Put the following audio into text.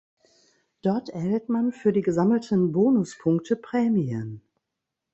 Dort erhält man für die gesammelten Bonuspunkte Prämien.